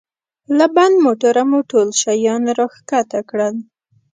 له بند موټره مو ټول شیان را کښته کړل.